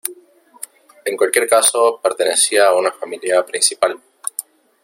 En cualquier caso, pertenecía a una familia principal.